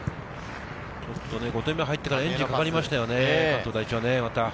５点目が入ってからエンジンがかかりましたよね、関東第一はまた。